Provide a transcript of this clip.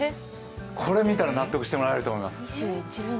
これ見たら納得してもらえると思います。